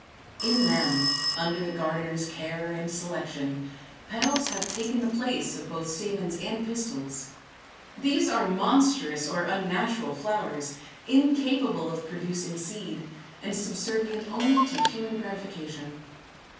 In them, under the gardener's care and selection, petals have taken the place of both stamens and pistils. These are monstrous or unnatural flowers, incapable of producing seed, and subservient only to human gratification.